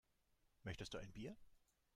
Möchtest du ein Bier?